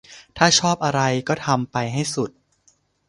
ถ้าชอบอะไรก็ทำไปให้สุด